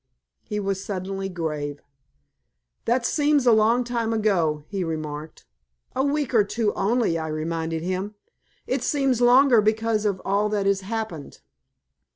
He was suddenly grave. "That seems a long time ago," he remarked. "A week or two only," I reminded him. "It seems longer, because of all that has happened.